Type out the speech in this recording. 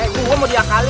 gue mau diakalin